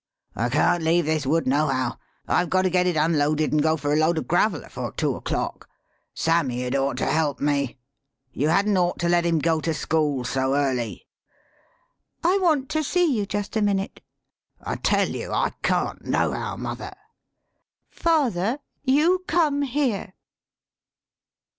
"I can't leave this wood, nohow. I've got to git it unloaded an' go for a load of gravel afore two o'clock. Sammy had ought to helped me. You hadn't ought to let him go to school so early." " I want to see you jest a minute." " I tell ye I can't, nohow, mother." " Father, you come here."